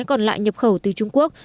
còn lại nhập khẩu từ trung quốc